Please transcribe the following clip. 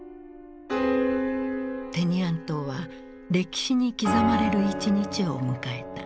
テニアン島は歴史に刻まれる一日を迎えた。